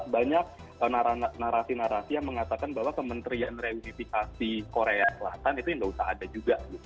banyak narasi narasi yang mengatakan bahwa kementerian reunifikasi korea selatan itu nggak usah ada juga